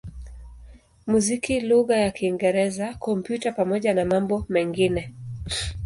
muziki lugha ya Kiingereza, Kompyuta pamoja na mambo mengine.